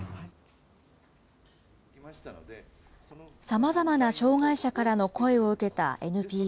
さまざまな障害者からの声を受けたＮＰＯ。